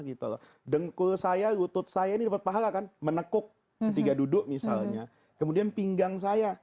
gitu loh dengkul saya lutut saya ini dapat pahala kan menekuk ketika duduk misalnya kemudian pinggang saya